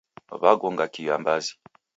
Wagonga kiambazi.